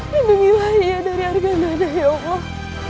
lindungilah ia dari argamah ya allah